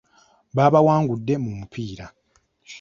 Baabawangudde mu mupiira.